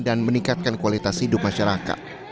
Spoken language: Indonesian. dan meningkatkan kualitas hidup masyarakat